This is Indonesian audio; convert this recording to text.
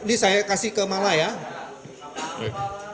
ini saya kasih ke malaya